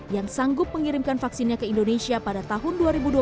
yang sanggup mengirimkan vaksinnya ke indonesia pada tahun dua ribu dua puluh